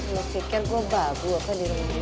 lo pikir gue babu apa di rumah lo